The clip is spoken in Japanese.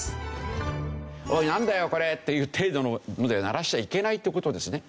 おいなんだよこれっていう程度の事で鳴らしちゃいけないって事ですね。